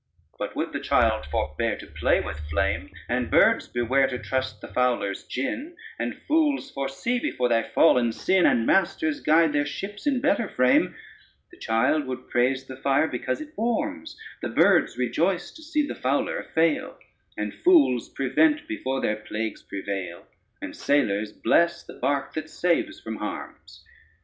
But would the child forbear to play with flame, And birds beware to trust the fowler's gin, And fools foresee before they fall and sin, And masters guide their ships in better frame; The child would praise the fire because it warms, And birds rejoice to see the fowler fail, And fools prevent before their plagues prevail, And sailors bless the barque that saves from harms.